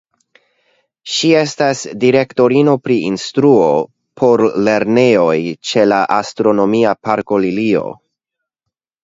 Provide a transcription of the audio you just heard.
Ŝi estas direktorino pri instruo por lernejoj ĉe la Astronomia Parko Lilio.